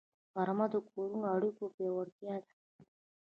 غرمه د کورنیو اړیکو پیاوړتیا ده